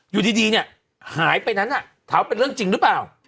อยู่ดีเนี่ยหายไปนั้นถามเป็นเรื่องจริงหรือเปล่า